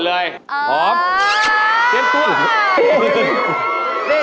ถามพี่ปีเตอร์